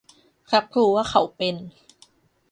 รับรู้ว่าเขาเป็น